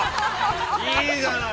◆いいじゃない。